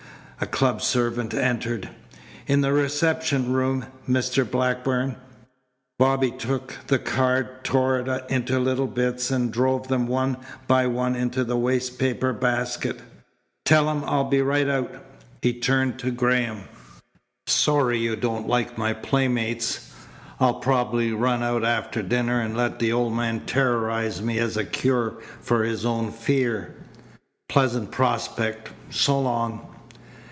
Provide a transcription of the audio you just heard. A club servant entered. "In the reception room, Mr. Blackburn." Bobby took the card, tore it into little bits, and dropped them one by one into the waste paper basket. "Tell him I'll be right out." He turned to Graham. "Sorry you don't like my playmates. I'll probably run out after dinner and let the old man terrorize me as a cure for his own fear. Pleasant prospect! So long."